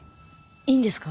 いいんですか？